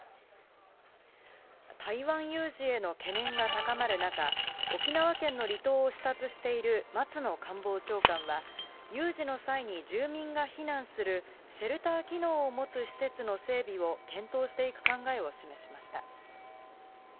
台湾有事への懸念が高まる中、沖縄県の離島を視察している松野官房長官は、有事の際に住民が避難するシェルター機能を持つ施設の整備を検討していく考えを示しました。